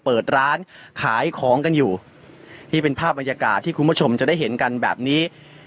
เปิดร้านขายของกันอยู่นี่เป็นภาพบรรยากาศที่คุณผู้ชมจะได้เห็นกันแบบนี้